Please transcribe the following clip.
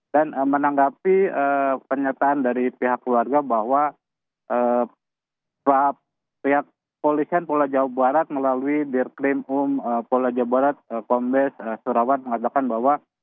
dan menanggapi penyertaan dari pihak keluarga bahwa pihak polisian polajabarat melalui dirkrimum polajabarat kombes surawat mengatakan bahwa